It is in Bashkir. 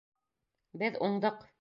Беҙ уңдыҡ!